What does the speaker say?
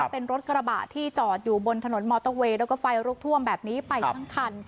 เป็นรถกระบะที่จอดอยู่บนถนนมอเตอร์เวย์แล้วก็ไฟลุกท่วมแบบนี้ไปทั้งคัน